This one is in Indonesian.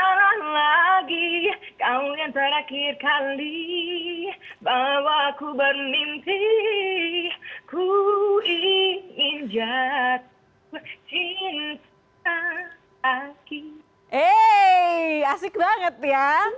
salah lagi kalian terakhir kali bawa ku bermimpi